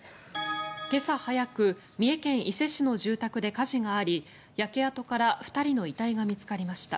今朝早く、三重県伊勢市の住宅で火事があり焼け跡から２人の遺体が見つかりました。